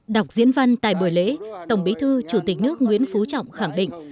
đọc diễn văn tại buổi lễ tổng bí thư chủ tịch nước nguyễn phú trọng khẳng định